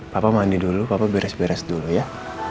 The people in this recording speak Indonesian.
papa mandi dulu papa beres beres dulu ya